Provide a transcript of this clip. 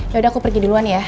yaudah aku pergi duluan ya